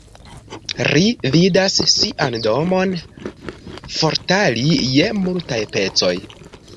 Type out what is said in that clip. Ri vidas sian domon forfali je multaj pecoj.